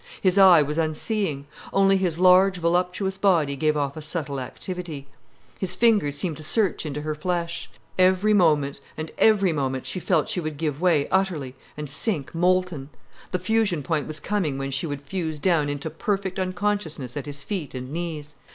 His eye was unseeing. Only his large, voluptuous body gave off a subtle activity. His fingers seemed to search into her flesh. Every moment, and every moment, she felt she would give way utterly, and sink molten: the fusion point was coming when she would fuse down into perfect unconsciousness at his feet and knees.